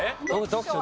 読書！